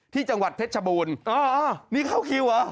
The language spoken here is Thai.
ที่จังหวัดเพชรชบูรณ์อ๋อนี่เข้าคิวเหรอ